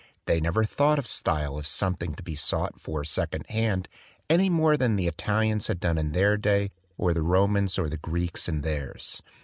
They never thought of style as something to be sought for second hand, any more than the Italians had done in their day or the Romans or the Greeks in theirs.